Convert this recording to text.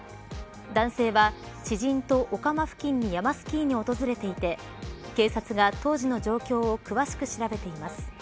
男性は知人と御釜付近に山スキーに訪れていて警察が、当時の状況を詳しく調べています。